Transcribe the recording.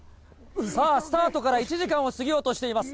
さあ、スタートから１時間を過ぎようとしています。